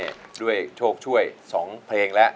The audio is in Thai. ก็ได้มานี่ด้วยโชคช่วย๒เพลงและ